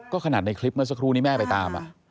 ก็ขนาดในคลิปเมื่อสักครู่นี้แม่ไปตาม